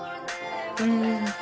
うん。